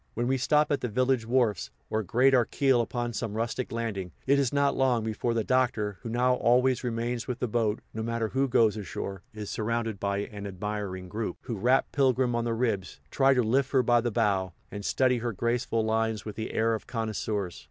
When we stop at the village wharfs, or grate our keel upon some rustic landing, it is not long before the Doctor, who now always remains with the boat, no matter who goes ashore, is surrounded by an admiring group, who rap Pilgrim on the ribs, try to lift her by the bow, and study her graceful lines with the air of connoisseurs.